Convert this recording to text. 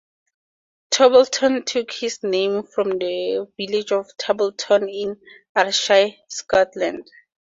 Torbolton took its name from the village of Tarbolton in Ayrshire, Scotland.